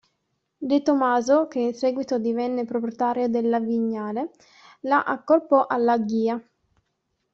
De Tomaso, che in seguito divenne proprietario della Vignale, la accorpò alla Ghia.